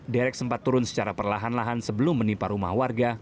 derek sempat turun secara perlahan lahan sebelum menimpa rumah warga